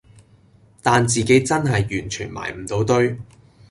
但自己真係完全埋唔到堆